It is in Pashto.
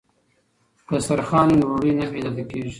که دسترخوان وي نو ډوډۍ نه بې عزته کیږي.